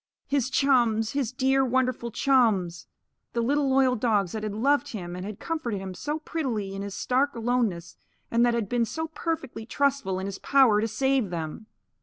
His chums! His dear, wonderful chums! The little loyal dogs that had loved him and had comforted him so prettily in his stark aloneness and that had been so perfectly trustful in his power to save them!